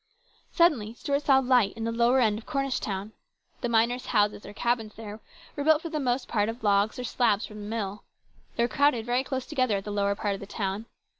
Suddenly Stuart saw a light in the lower end of Cornish town. The miners' houses or cabins there were built for the most part of logs or slabs from the DISAPPOINTMENT. 237 mill. They were crowded very close together at the lower part of the town.